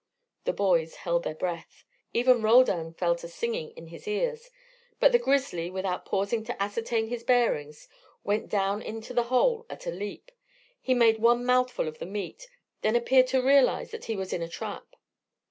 The boys held their breath. Even Roldan felt a singing in his ears. But the grizzly, without pausing to ascertain his bearings, went down into the hole at a leap. He made one mouthful of the meat, then appeared to realise that he was in a trap.